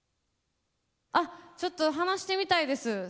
あっちょっと話してみたいです。